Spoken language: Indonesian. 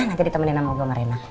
nanti ditemenin sama gue marena